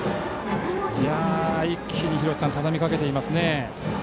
一気に廣瀬さんたたみかけていますね。